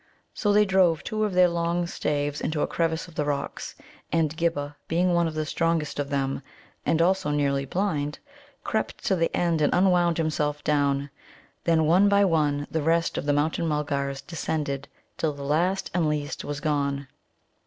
So they drove two of their long staves into a crevice of the rocks. And Ghibba, being one of the strongest of them, and also nearly blind, crept to the end and unwound himself down; then one by one the rest of the Mountain mulgars descended, till the last and least was gone.